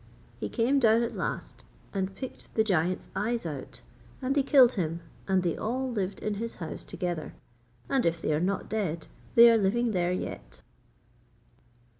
He came down at last and picked the giant's eyes out, and they killed him, and they all lived in his house together. And if they are not dead, they are living there yet.